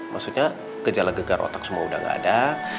maksudnya gejala gegar otak semua udah gak ada